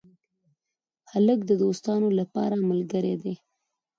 هلک د دوستانو لپاره ملګری دی.